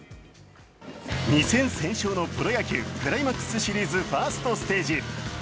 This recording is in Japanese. ２戦先勝のプロ野球クライマックスシリーズファーストステージ。